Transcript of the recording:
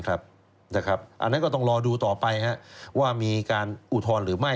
อันนั้นก็ต้องรอดูต่อไปว่ามีการอุทธรณ์หรือไม่